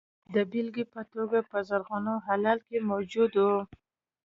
د بېلګې په توګه په زرغون هلال کې موجود وو.